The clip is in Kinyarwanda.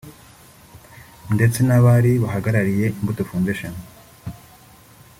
ndetse n’abari bahagarariye Imbuto Foundation